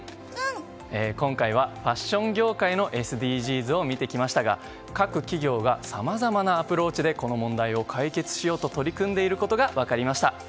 今回はファッション業界のＳＤＧｓを見てきましたが各企業がさまざまなアプローチでこの問題を解決しようと取り組んでいることが分かりました。